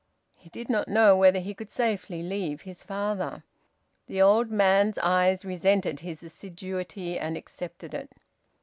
He did not know whether he could safely leave his father. The old man's eyes resented his assiduity and accepted it.